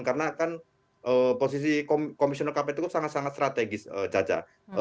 karena kan posisi komisioner kpk itu sangat sangat strategis caca